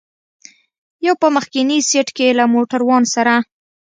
یو په مخکني سېټ کې له موټروان سره.